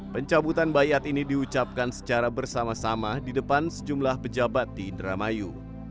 pencabutan bayat ini diucapkan secara bersama sama di depan sejumlah pejabat di indramayu